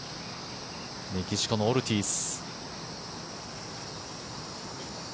メキシコのオルティーズ。